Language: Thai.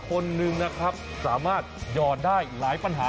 คนหนึ่งนะครับสามารถหยอดได้หลายปัญหา